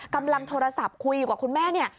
กำลังโทรศัพท์คุยกับคุณแม่นี่